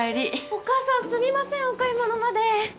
お母さんすみませんお買い物まで。